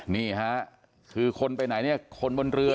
พี่บูรำนี้ลงมาแล้ว